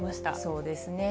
そうですね。